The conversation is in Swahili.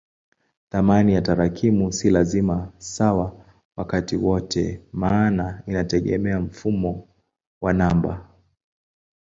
Thamani ya tarakimu si kwa lazima sawa wakati wowote maana inategemea mfumo wa namba.